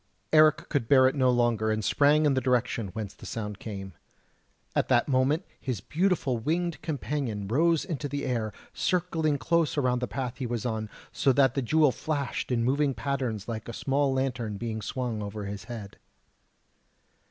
Eric could bear it no longer, and sprang in the direction whence the sound came. At that moment his beautiful winged companion rose in the air, circling close around the path he was on, so that the jewel flashed in moving patterns like a small lantern being swung over his head.